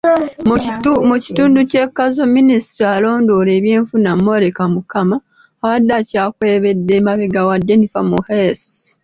Mu kitundu ky'e Kazo Minisita alondoola ebyenfuna Molly Kamukama, abadde akyakwebedde emabega wa Jennifer Muheesi.